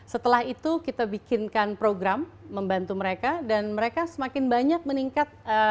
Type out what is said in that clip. setelah itu kita bikinkan program membantu mereka dan mereka semakin banyak meningkat